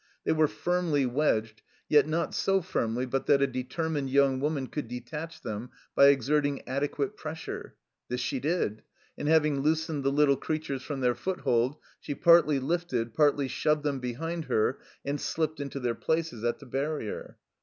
They were jBrmly wedged, yet not so firmly but that a det^mined young woman could detach them by exerting adequate pressure. This she did; and having loosened the little creatures from their foot hold, she partly lifted, x)artly shoved them behind her and sUppcni into their places at the barrier.